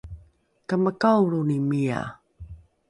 kamakaolroni mia?